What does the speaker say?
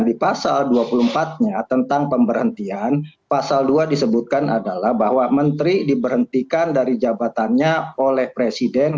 di pasal dua puluh empat nya tentang pemberhentian pasal dua disebutkan adalah bahwa menteri diberhentikan dari jabatannya oleh presiden